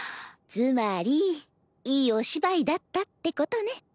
つまりいいお芝居だったってことね。